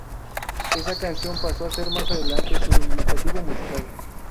Esa canción pasó a ser más adelante su indicativo musical.